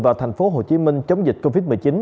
vào thành phố hồ chí minh chống dịch covid một mươi chín